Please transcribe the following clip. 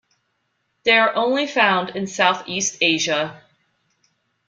They are only found in South-east Asia.